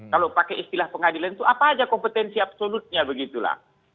kalau pakai istilah pengadilan itu apa aja kompetensi absolutnya begitulah